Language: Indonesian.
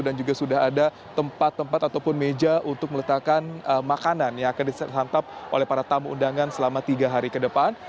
dan juga sudah ada tempat tempat ataupun meja untuk meletakkan makanan yang akan disantap oleh para tamu undangan selama tiga hari ke depan